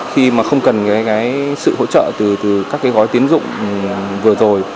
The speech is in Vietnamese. khi mà không cần cái sự hỗ trợ từ các cái gói tiến dụng vừa rồi